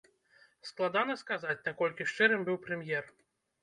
Складана сказаць, наколькі шчырым быў прэм'ер.